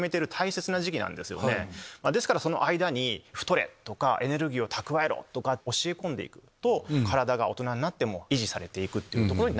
ですからその間に太れ！とかエネルギーを蓄えろ！とか教え込んでいくと体が大人になっても維持されていきます。